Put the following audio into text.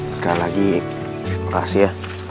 sekali lagi terima kasih ya